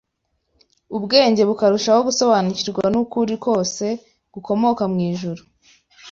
Ubwenge bukarushaho gusobanukirwa n’ukuri kwose gukomoka mw’ijuru,